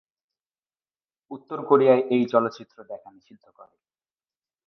উত্তর কোরিয়ায় এই চলচ্চিত্র দেখা নিষিদ্ধ করে।